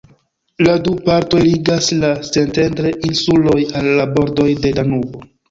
La du partoj ligas la Szentendre-insulon al la bordoj de Danubo.